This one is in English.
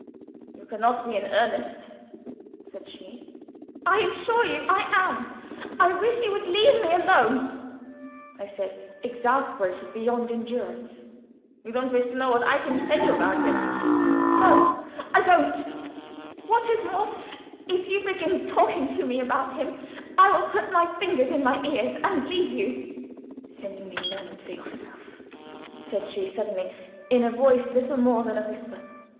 "You can not be in earnest," said she. "I assure you I am. I wish you would leave me alone," I said, exasperated beyond endurance. "You don't wish to know what I can tell you about him?" "No, I don't. What is more, if you begin talking to me about him, I will put my fingers in my ears, and leave you." "Then you may learn it for yourself," said she, suddenly, in a voice little more than a whisper.